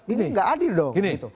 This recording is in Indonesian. ini tidak ada dong